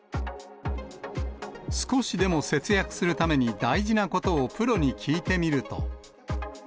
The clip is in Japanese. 少しでも節約するために大事なことをプロに聞いてみると。